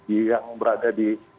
yang berada di